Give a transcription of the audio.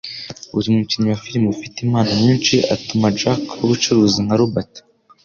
Uyu mukinnyi wa firime ufite impano nyinshi atuma jack-yubucuruzi-nka Robert